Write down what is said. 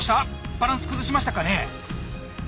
バランス崩しましたかね？